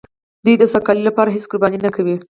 دوی د سوکالۍ لپاره هېڅ قرباني نه کوي.